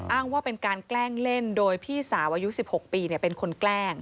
อ้างว่าเป็นการแกล้งเล่นโดยพี่สาวอายุ๑๖ปีเป็นคนแกล้ง